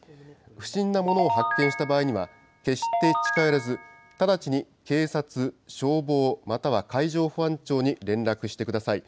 不審なものを発見した場合には、決して近寄らず、直ちに警察、消防、または海上保安庁に連絡してください。